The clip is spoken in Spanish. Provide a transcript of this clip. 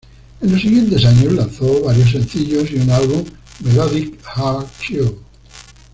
En los siguientes años lanzó varios sencillos y un álbum "Melodic Hard Cure".